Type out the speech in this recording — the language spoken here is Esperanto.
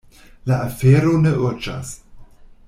La afero ne urĝas.